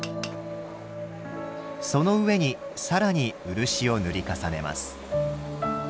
その上に更に漆を塗り重ねます。